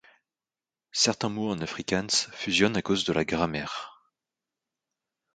Certains mots en afrikaans fusionnent à cause de la grammaire.